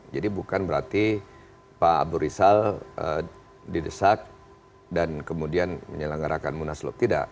jadi bukan berarti pak abu risal didesak dan kemudian menyelenggarakan munaslup tidak